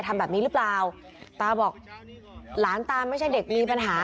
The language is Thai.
ทำแบบนี้หรือเปล่าตาบอกหลานตาไม่ใช่เด็กมีปัญหา